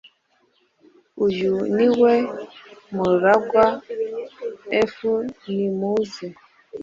uyu ni we muragwa f nimuze